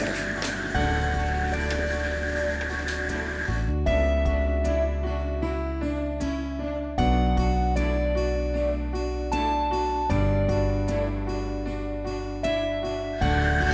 ya udah teman teman semuanya